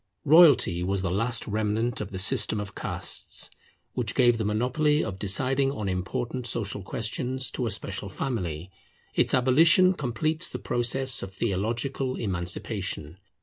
Royalty was the last remnant of the system of castes, which gave the monopoly of deciding on important social questions to a special family; its abolition completes the process of theological emancipation.